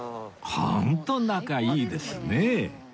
ホント仲いいですね！